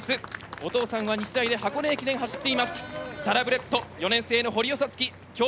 お父さんは日大で箱根駅伝を走っています。